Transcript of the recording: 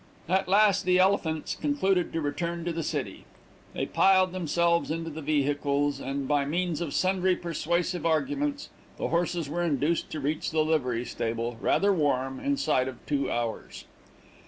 At last, the Elephants concluded to return to the city. They piled themselves into the vehicles, and by means of sundry persuasive arguments, the horses were induced to reach the livery stable, rather warm, inside of two hours.